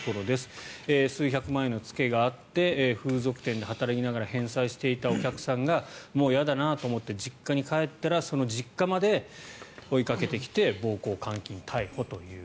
数百万円の付けがあって風俗店で働きながら返済していたお客さんがもう嫌だなと思って実家に帰ったらその実家まで追いかけて暴行・監禁、逮捕という。